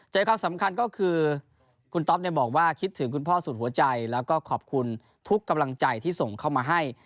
ใจความสำคัญก็คือคุณต๊อปบอกว่าคิดถึงคุณพ่อสุดหัวใจแล้วก็ขอบคุณทุกกำลังใจที่ส่งเข้ามาให้